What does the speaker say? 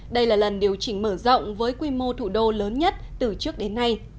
đây là lần điều chỉnh mở rộng với quy mô thủ đô lớn nhất từ trước đến nay